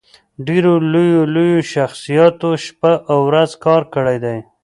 ډېرو لويو لويو شخصياتو شپه او ورځ کار کړی دی